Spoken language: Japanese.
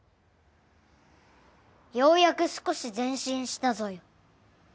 ようやく少し前進したぞよ。